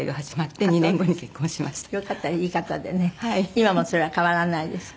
今もそれは変わらないですか？